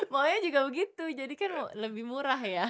maunya juga begitu jadi kan lebih murah ya